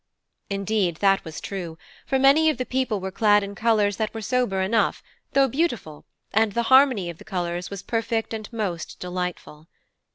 Indeed that was true; for many of the people were clad in colours that were sober enough, though beautiful, and the harmony of the colours was perfect and most delightful.